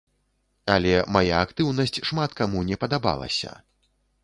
Але мая актыўнасць шмат каму не падабалася.